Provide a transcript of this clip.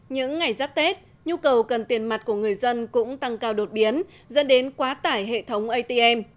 những ngày giáp tết nhu cầu cần tiền mặt của người dân cũng tăng cao đột biến dẫn đến quá tải hệ thống atm